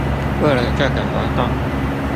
為了這個活動